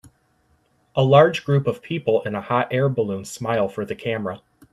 A large group of people in a hot air balloon smile for the camera.